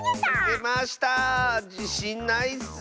じしんないッス。